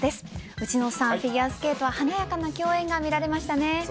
内野さん、フィギュアスケートは華やかな競演が見られましたね。